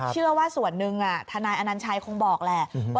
เชื่อว่าส่วนหนึ่งอ่ะทนายอันนันชายคงบอกแล้ว